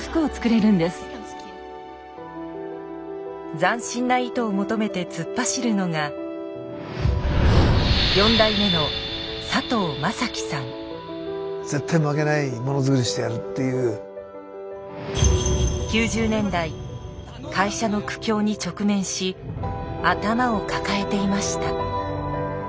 斬新な糸を求めて突っ走るのが９０年代会社の苦境に直面し頭を抱えていました。